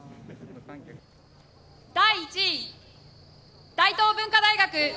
第１位大東文化大学。